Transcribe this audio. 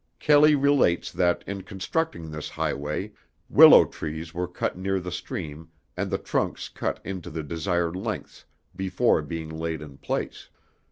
Kelley relates that in constructing this highway willow trees were cut near the stream and the trunks cut into the desired lengths before being laid in place.